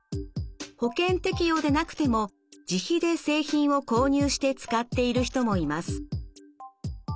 保険適用でなくても自費で製品を購入して使っている人もいます。